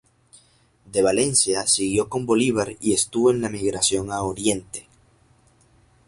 De Valencia siguió con Bolívar y estuvo en la emigración a Oriente.